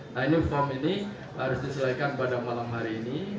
nah ini form ini harus diselesaikan pada malam hari ini